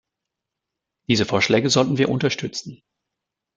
Diese Vorschläge sollten wir unterstützen.